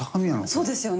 そうですよね。